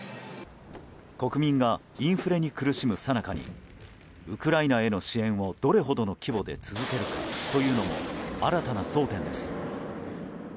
国民がインフレに苦しむさなかにウクライナへの支援をどれほどの規模で続けるかというのも新たな争点です。